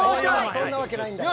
そんなわけないんだから。